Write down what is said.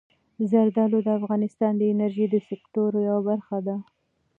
زردالو د افغانستان د انرژۍ د سکتور یوه برخه ده.